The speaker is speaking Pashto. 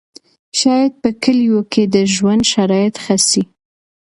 شاید په کليو کې د ژوند شرایط ښه سي.